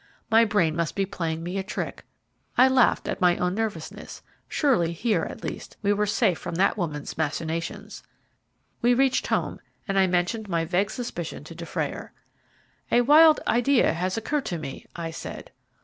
My brain must be playing me a trick. I laughed at my own nervousness. Surely here at least we were safe from that woman's machinations. We reached home, and I mentioned my vague suspicion to Dufrayer. "A wild idea has occurred to me," I said.